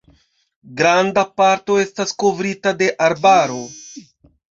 Granda parto estas kovrita de arbaro.